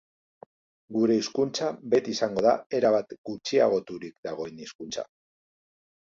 Gure hizkuntza beti izango da erabat gutxiagoturik dagoen hizkuntza.